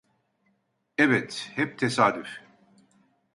Evet, hep tesadüf…